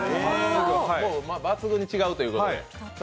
抜群に違うということで。